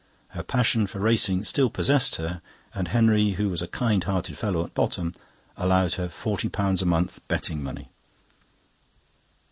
Her passion for racing still possessed her, and Henry, who was a kind hearted fellow at bottom, allowed her forty pounds a month betting money.